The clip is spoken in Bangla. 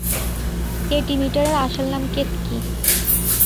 কেটি মিটারের আসল নাম কেতকী।